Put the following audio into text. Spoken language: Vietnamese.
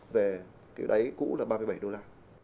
về cái đáy cũ là ba mươi bảy đô la